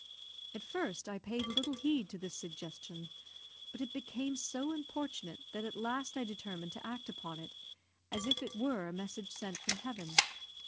At first I paid little heed to this suggestion; but it became so importunate that at last I determined to act upon it as if it were a message sent from heaven.